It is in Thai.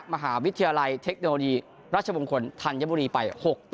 มหาวิทยาลัยเทคโนโลยีราชมงคลธัญบุรีไป๖ต่อ